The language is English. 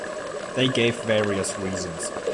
They gave various reasons.